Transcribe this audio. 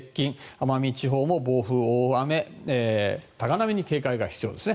奄美地方も暴風、大雨、高波に警戒が必要です。